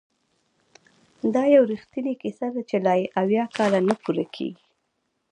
دا یو رښتینې کیسه ده چې لا یې اویا کاله نه پوره کیږي!